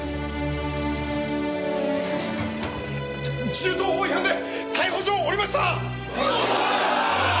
銃刀法違反で逮捕状下りました！